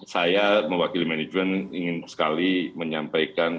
saya mewakili manajemen ingin sekali menyampaikan